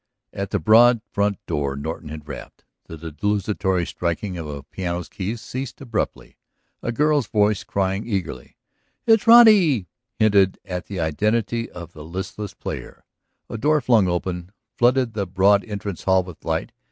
At the broad front door Norton had rapped. The desultory striking of a piano's keys ceased abruptly, a girl's voice crying eagerly: "It's Roddy!" hinted at the identity of the listless player, a door flung open flooded the broad entrance hall with light.